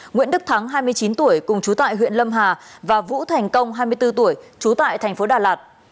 nguyễn đức thắng hai mươi chín tuổi cùng chú tại huyện lâm hà và vũ thành công hai mươi bốn tuổi chú tại tp đà lạt